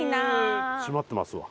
閉まってますわ。